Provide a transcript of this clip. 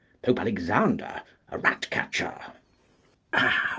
Pope Alexander, a ratcatcher.